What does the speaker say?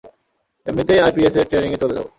এমনিতেই আইপিএস এর ট্রেনিং এ চলে যাব।